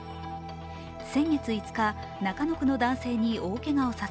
先月５日、中野区の男性に大けがをさせ